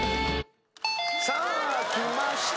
さあきました